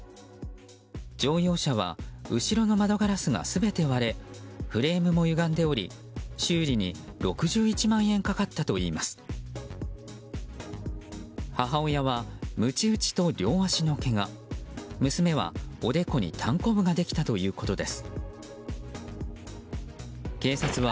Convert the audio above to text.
乗用車は後ろの窓ガラスが全て割れフレームも歪んでおり、修理に６１万円かかったといいます。